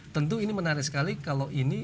tentu ini menarik sekali kalau ini